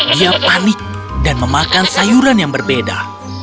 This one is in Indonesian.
dia panik dan memakan sayuran yang berbeda